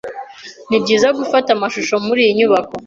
Nibyiza gufata amashusho muriyi nyubako?